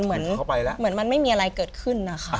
เหมือนมันไม่มีอะไรเกิดขึ้น